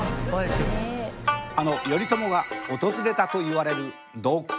あの頼朝が訪れたといわれる洞窟。